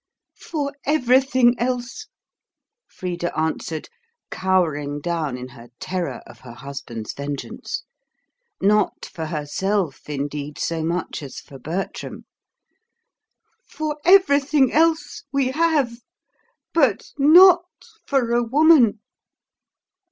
"For everything else," Frida answered, cowering down in her terror of her husband's vengeance, not for herself indeed so much as for Bertram. "For everything else, we have; but NOT for a woman."